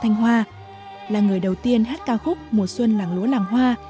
thanh hoa là người đầu tiên hát ca khúc mùa xuân làng lúa làng hoa